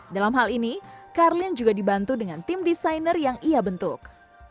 dalam hal ini karlin juga dibantu dengan tim desainer yang ia bentuk